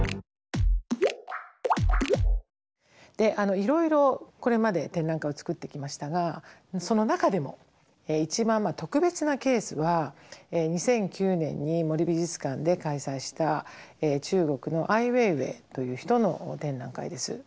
いろいろこれまで展覧会を作ってきましたがその中でも一番特別なケースは２００９年に森美術館で開催した中国のアイ・ウェイウェイという人の展覧会です。